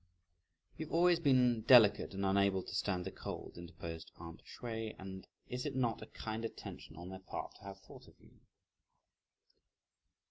"You've always been delicate and unable to stand the cold," interposed "aunt" Hsüeh, "and is it not a kind attention on their part to have thought of you?"